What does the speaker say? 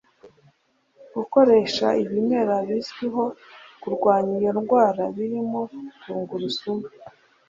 gukoresha ibimera bizwiho kurwanya iyo ndwara birimo (Tungurusumu